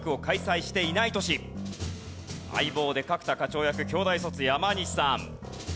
『相棒』で角田課長役京大卒山西さん。